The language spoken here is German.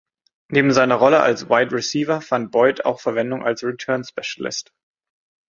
Neben seiner Rolle als Wide Receiver fand Boyd auch Verwendung als Return Specialist.